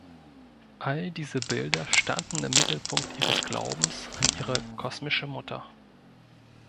All diese Bilder standen im Mittelpunkt ihres Glaubens an ihre „Kosmische Mutter“.